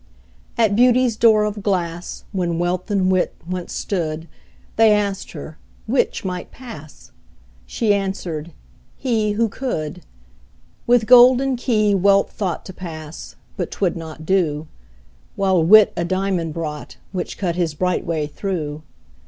At Beauty's door of glass, When Wealth and Wit once stood, They asked her 'which might pass?" She answered, "he, who could." With golden key Wealth thought To pass but 'twould not do: While Wit a diamond brought, Which cut his bright way through.